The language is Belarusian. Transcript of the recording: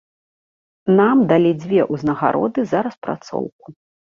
Нам далі дзве ўзнагароды за распрацоўку.